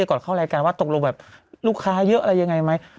ก่อนเข้ารายการว่าตกลงแบบลูกค้าเยอะอะไรยังไงไหม